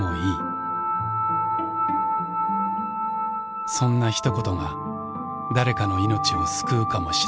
そんなひと言が誰かの命を救うかもしれない。